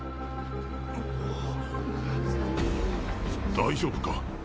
大丈夫か？